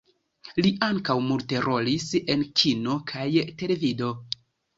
Li ankaŭ multe rolis en kino kaj televido.